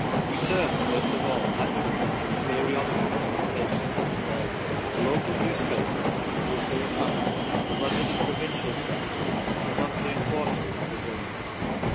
We turn first of all, naturally, to the periodical publications of the day the local newspapers, of which there were five, the London and pro vincial press, and the monthly and quarterly magazines.